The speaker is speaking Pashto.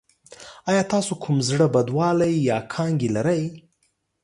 ایا تاسو کوم زړه بدوالی یا کانګې لرئ؟